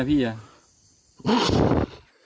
พี่กับเมียพี่